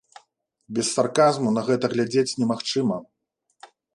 Без сарказму на гэта глядзець немагчыма.